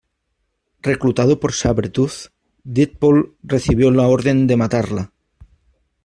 Reclutado por Sabretooth, Deadpool recibió la orden de matarla.